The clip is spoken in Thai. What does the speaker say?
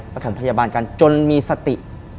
ประถมพยาบาลกันจนมีสติ